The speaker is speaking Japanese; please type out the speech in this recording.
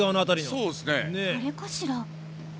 あれかしら？